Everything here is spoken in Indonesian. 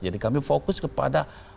jadi kami fokus kepada